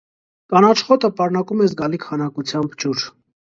Կանաչ խոտը պարունակում է զգալի քանակությամբ ջուր։